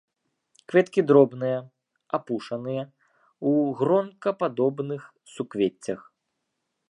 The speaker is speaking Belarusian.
Кветкі дробныя, апушаныя, у гронкападобных суквеццях.